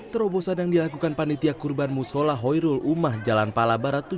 terobosan yang dilakukan panitia kurban musola hoirul umah jalan pala barat